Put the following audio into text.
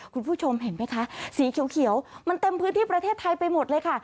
คุณผู้ชมเห็นไหมคะสีเขียวมันเต็มพื้นที่ประเทศไทยไปหมดเลยค่ะ